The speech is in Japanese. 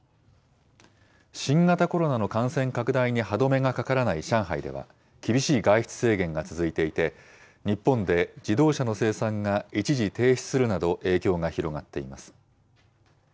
新型コロナの感染拡大に歯止めがかからない上海では、厳しい外出制限が続いていて、日本で自動車の生産が一時停止するなど、影響が広がっています。